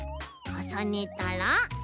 かさねたら？